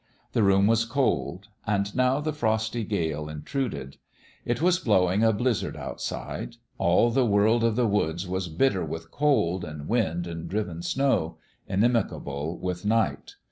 The room was cold. And now the frosty gale intruded. It was blowing a blizzard out side ; all the world of the woods was bitter with cold and wind and driven snow inimical with night.